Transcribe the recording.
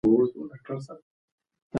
سپی د غلام څنګ ته ارام پروت و.